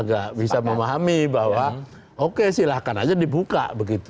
agak bisa memahami bahwa oke silahkan aja dibuka begitu